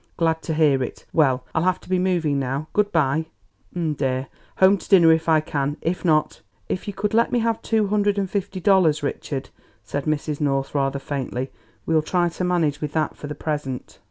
"Glad to hear it. Well, I'll have to be moving now. Good bye, m' dear; home to dinner if I can; if not " "If you could let me have two hundred and fifty dollars, Richard," said Mrs. North rather faintly, "we'll try to manage with that for the present."